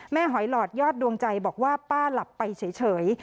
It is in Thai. หอยหลอดยอดดวงใจบอกว่าป้าหลับไปเฉย